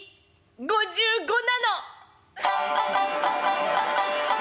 ５５なの！」。